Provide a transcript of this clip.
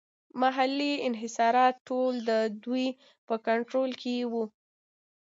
محلي انحصارات ټول د دوی په کنټرول کې وو.